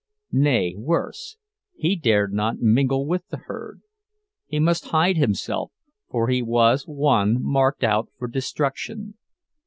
Nay worse, he dared not mingle with the herd—he must hide himself, for he was one marked out for destruction.